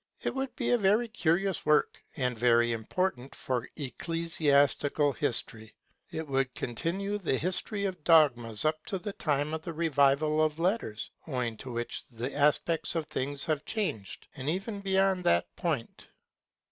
It would be a very curious work, and very important for ecclesiastical history, and it would continue the History of Dogmas up to the time of the Revival of Letters (owing to which the aspect of things has changed) and even beyond that point.